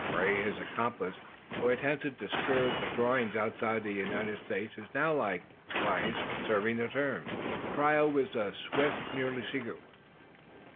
Gray, his accomplice, who attempted to spirit the drawings outside of the United States, is now likewise serving a term. The trial was a swift, nearly secret one.